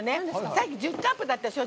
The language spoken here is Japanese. さっき１０カップだったでしょ。